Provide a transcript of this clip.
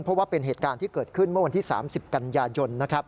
เพราะว่าเป็นเหตุการณ์ที่เกิดขึ้นเมื่อวันที่๓๐กันยายนนะครับ